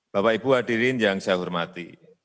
bapak ibu hadirin yang saya hormati